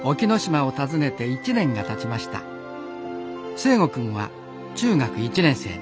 誠心くんは中学１年生に。